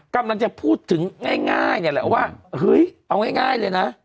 กำลังจะพูดถึงง่ายเนี่ยแหละว่าเฮ้ยเอาง่ายเลยนะ